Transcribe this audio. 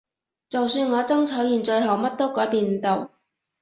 就算我爭取完最後乜都改變唔到